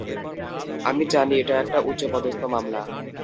আমি জানি এটা একটা উচ্চ পদস্ত মামলা।